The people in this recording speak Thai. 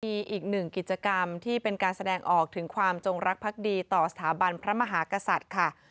มีอีกหนึ่งกิจกรรมที่เป็นการแสดงออกถึงความจงรักภักดีต่อสถาบันพระมหากษัตริย์ค่ะ